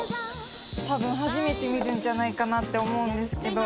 たぶん初めて見るんじゃないかなと思うんですけど。